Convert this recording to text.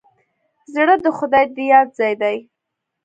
زړه د خدای د یاد ځای دی.